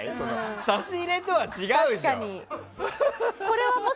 差し入れとは違うでしょ！